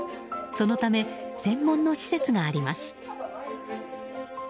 そのため専門の施設があります。